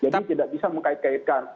jadi tidak bisa mengkait kaitkan